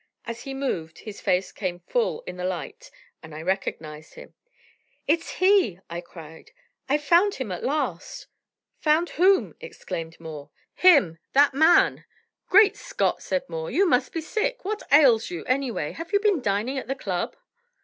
As he moved, his face came full in the light and I recognized him. "It's he!" I cried. "I've found him at last!" "Found whom?" exclaimed Moore. "Him, that man!" "Great Scott!" said Moore, "you must be sick. What ails you, anyway? Have you been dining at the Club?"